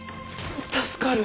助かる！